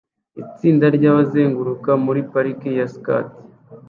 Itsinda ryabazunguruka muri parike ya skate